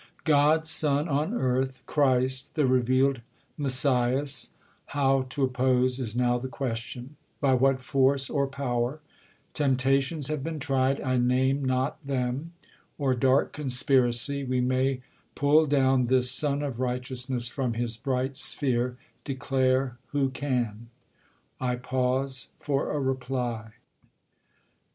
God's Son on earth, Christ, the reveal'd Messias, how t' oppose Is now the question ; by what force, or power ; (Temptations have been tried, I name not them;) Or dark conspiracy, we may pull down This Sun of Righteousness from his bright sphere, Declare, who can. I pause for a reply.